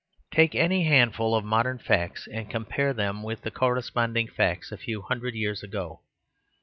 Take any handful of modern facts and compare them with the corresponding facts a few hundred years ago.